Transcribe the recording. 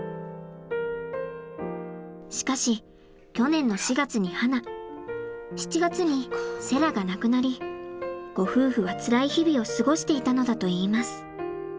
しかし去年の４月にはな７月にセラが亡くなりご夫婦はつらい日々を過ごしていたのだといいます。